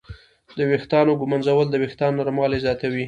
د ویښتانو ږمنځول د وېښتانو نرموالی زیاتوي.